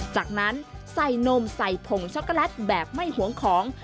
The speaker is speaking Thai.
จากนั้นใส่นมใส่ผงช็อกโกแลตแบบไม่หวงของ